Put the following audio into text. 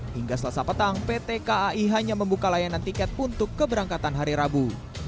hingga selasa petang pt kai hanya membuka layanan tiket untuk keberangkatan hari rabu